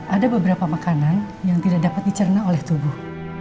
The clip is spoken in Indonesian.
ada beberapa makanan yang tidak dapat dicerna oleh tubuh